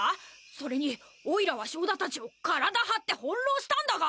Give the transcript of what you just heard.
それにオイラは庄田たちを体張って翻弄したんだが！？